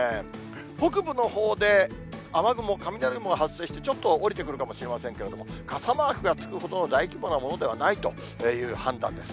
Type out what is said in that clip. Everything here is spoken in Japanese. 北部のほうで雨雲、雷雲が発生して、ちょっと下りてくるかもしれませんけれども、傘マークがつくほどの大規模なものではないという判断です。